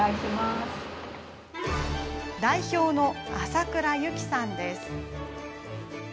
代表の浅倉ユキさんです。